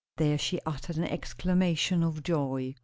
There she uttered an exclamation of joy.